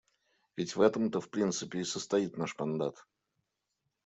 Ведь в этом-то в принципе и состоит наш мандат.